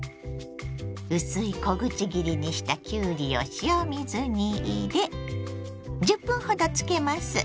薄い小口切りにしたきゅうりを塩水に入れ１０分ほどつけます。